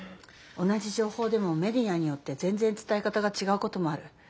同じ情報でもメディアによって全ぜん伝え方がちがうこともある。